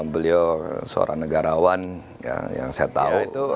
beliau seorang negarawan yang saya tahu